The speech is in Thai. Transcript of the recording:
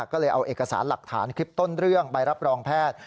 ก็เลยเอาเอกสารหลักฐานคลิปต้นเรื่องใบรับรองแพทย์